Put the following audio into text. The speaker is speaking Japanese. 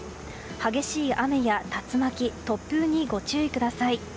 激しい雨や竜巻、突風にご注意ください。